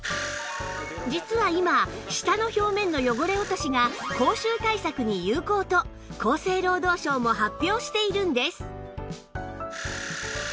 実は今舌の表面の汚れ落としが口臭対策に有効と厚生労働省も発表しているんです